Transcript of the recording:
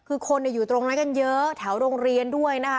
คือคนอยู่ตรงนั้นกันเยอะแถวโรงเรียนด้วยนะคะ